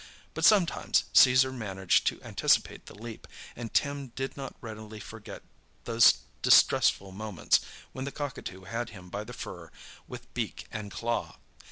But sometimes Caesar managed to anticipate the leap, and Tim did not readily forget those distressful moments when the cockatoo had him by the fur with beak and claw.